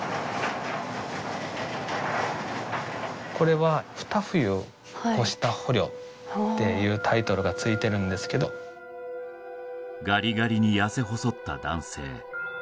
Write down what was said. これは「二冬を越した捕虜」っていうタイトルがついてるんですけどガリガリに痩せ細った男性